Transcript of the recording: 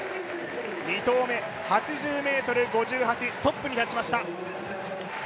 ２投目８０ｍ５８、トップに立ちました。